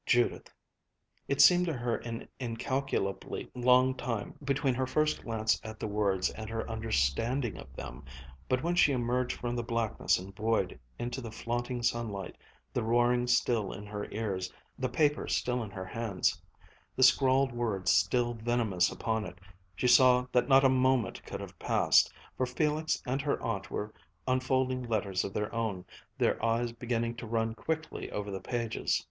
Judith." It seemed to her an incalculably long time between her first glance at the words and her understanding of them, but when she emerged from the blackness and void, into the flaunting sunlight, the roaring still in her ears, the paper still in her hands, the scrawled words still venomous upon it, she saw that not a moment could have passed, for Felix and her aunt were unfolding letters of their own, their eyes beginning to run quickly over the pages.